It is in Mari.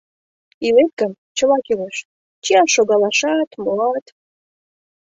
Илет гын, чыла кӱлеш: чияш-шогалашат, моат.